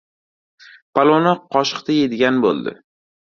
Palovni qoshiqda yeydigan bo‘ldi.